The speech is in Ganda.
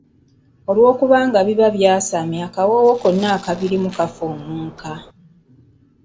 Olw’okuba nga biba by'asame akawoowo konna akabirimu kafuumuuka.